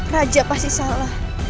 raja pasti salah